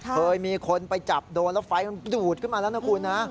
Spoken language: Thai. เคยมีคนไปจับโดนแล้วไฟมันดูดขึ้นมาแล้วนะคุณนะ